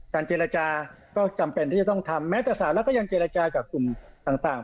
เจรจาก็จำเป็นที่จะต้องทำแม้แต่สารรัฐก็ยังเจรจากับกลุ่มต่าง